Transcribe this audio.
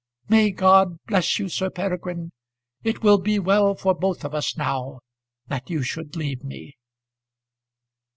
May God bless you, Sir Peregrine! It will be well for both of us now that you should leave me."